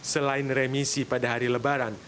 selain remisi pada hari lebaran